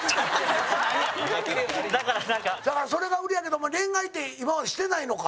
だから、それが売りやけども恋愛って今までしてないのか？